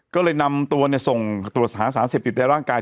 ก็เลยนำตัวส่งตรวจหาสารเสพติดในร่างกาย